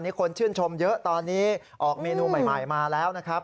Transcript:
นี่คนชื่นชมเยอะตอนนี้ออกเมนูใหม่มาแล้วนะครับ